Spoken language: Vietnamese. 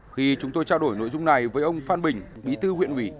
khi chúng tôi trao đổi nội dung này với ông phan bình bí thư huyện ủy